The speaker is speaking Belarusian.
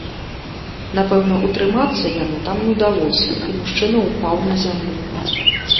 Напэўна, утрымацца яму там не ўдалося, і мужчына ўпаў на зямлю.